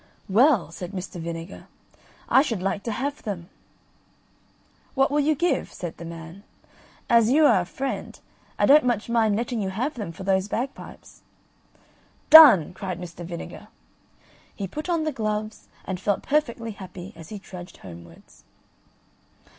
"Well," said Mr. Vinegar, "I should like to have them.". "What will you give?" said the man; "as you are a friend, I don't much mind letting you have them for those bagpipes." "Done!" cried Mr. Vinegar. He put on the gloves, and felt perfectly happy as he trudged homewards.